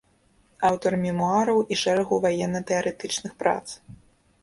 Аўтар мемуараў і шэрагу ваенна-тэарэтычных прац.